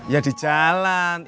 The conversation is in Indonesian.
ya di jalan